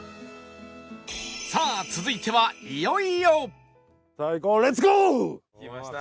さあ続いてはいよいよきました！